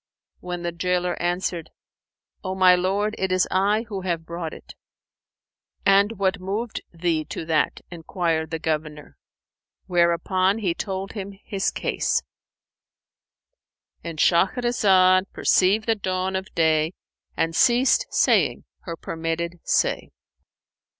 when the gaoler answered, "O my lord, it is I who have brought it." "And what moved thee to that?" enquired the Governor; whereupon he told him his case,—And Shahrazad perceived the dawn of day and ceased saying her permitted say.